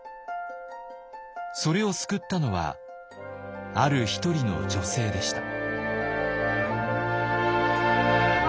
それを救ったのはある一人の女性でした。